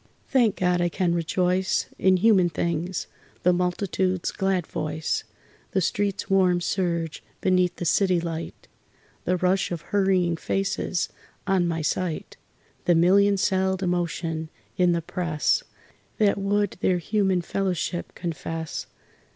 Thank God I can rejoice In human things the multitude's glad voice, The street's warm surge beneath the city light, The rush of hurrying faces on my sight, The million celled emotion in the press That would their human fellowship confess.